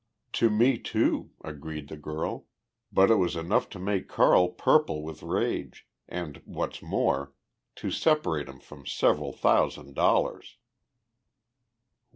"To me, too," agreed the girl. "But it was enough to make Carl purple with rage and, what's more, to separate him from several thousand dollars."